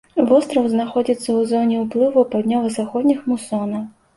Востраў знаходзіцца ў зоне ўплыву паўднёва-заходніх мусонаў.